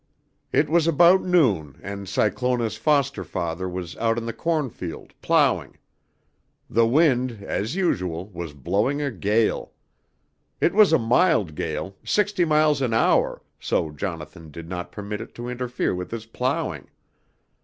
"It was about noon and Cyclona's foster father was out in the cornfield, plowing. The wind, as usual, was blowing a gale. It was a mild gale, sixty miles an hour, so Jonathan did not permit it to interfere with his plowing.